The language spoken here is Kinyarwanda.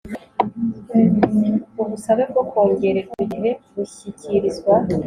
Ubusabe bwo kongererwa igihe bushyikirizwa